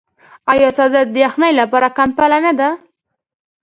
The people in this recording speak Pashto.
آیا څادر د یخنۍ لپاره کمپله نه ده؟